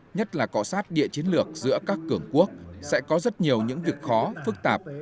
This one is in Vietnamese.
nhất là cọ sát địa chiến lược giữa các cường quốc sẽ có rất nhiều những việc khó phức tạp